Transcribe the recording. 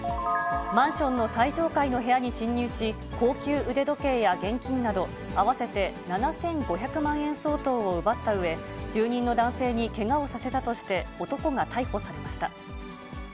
マンションの最上階の部屋に侵入し、高級腕時計や現金など合わせて７５００万円相当を奪ったうえ、住人の男性にけがをさせたとして、男が逮捕されました。